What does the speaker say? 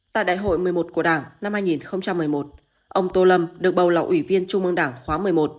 tại đại hội một mươi một của đảng năm hai nghìn một mươi một ông tô lâm được bầu là ủy viên trung mương đảng khóa một mươi một